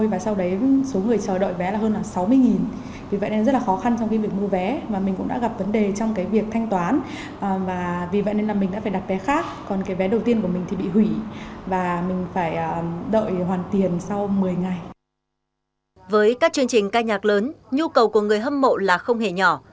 với các chương trình ca nhạc lớn nhu cầu của người hâm mộ là không hề nhỏ